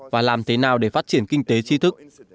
và làm thế nào để phát triển kinh tế tri thức